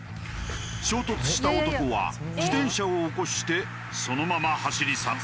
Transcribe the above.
衝突した男は自転車を起こしてそのまま走り去った。